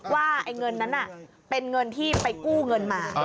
ว่าเงินนั้นเป็นเงินที่ไปกู้เงินมา